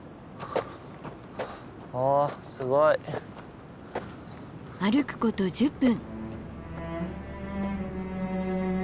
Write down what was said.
おすごい。歩くこと１０分。